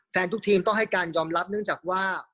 ทุกทีมต้องให้การยอมรับเนื่องจากว่า